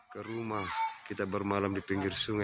ke rumah kita bermalam di pinggir sungai